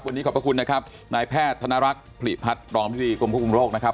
วันนี้ขอบพระคุณนะครับนายแพทย์ธนรักษ์ผลิพัฒน์รองอธิบดีกรมควบคุมโรคนะครับ